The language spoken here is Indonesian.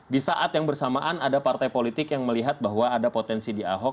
di saat yang bersamaan ada partai politik yang melihat bahwa ada potensi di ahok